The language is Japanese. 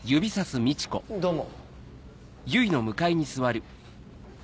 どうも。